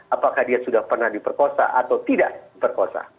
apakah dia sudah pernah diperkosa atau tidak diperkosa